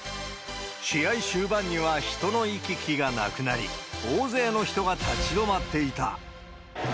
試合終盤には人の行き来がなくなり、大勢の人が立ち止まっていた。